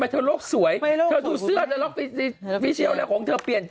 เธอโรคสวยเธอดูเสื้อสิรัพย์สิทธิ์หรอของเธอเปลี่ยน